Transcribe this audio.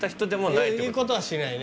そういうことはしないね